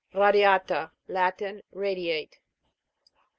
RADIA'TA. Latin. Radiate.